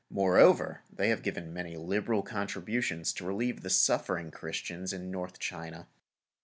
Moreover, they have given many liberal contributions to relieve the suffering Christians in North China.